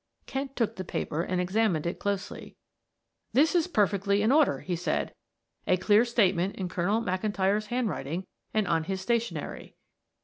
Kent took the paper and examined it closely. "This is perfectly in order," he said. "A clear statement in Colonel McIntyre's handwriting and on his stationery."